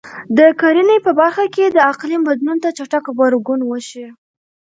د کرنې په برخه کې د اقلیم بدلون ته چټک غبرګون وشي.